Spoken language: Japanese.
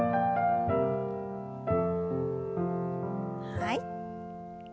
はい。